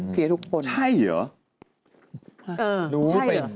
เคลียร์ทุกคนใช่เหรอรู้เป็นใช่เหรอ